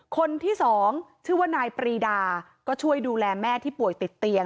คนที่สองชื่อว่านายปรีดาก็ช่วยดูแลแม่ที่ป่วยติดเตียง